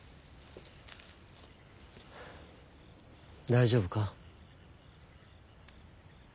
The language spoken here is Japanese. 大丈夫か？